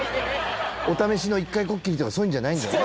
お試しの１回こっきりとかそういうのじゃないんだね。